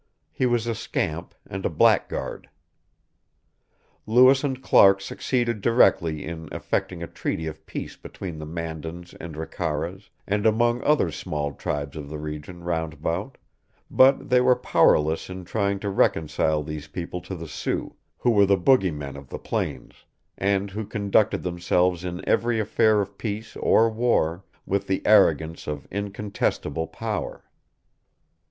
He was a scamp, and a blackguard. Lewis and Clark succeeded directly in effecting a treaty of peace between the Mandans and Ricaras, and among other small tribes of the region round about; but they were powerless in trying to reconcile these people to the Sioux, who were the bogie men of the plains, and who conducted themselves in every affair of peace or war with the arrogance of incontestable power.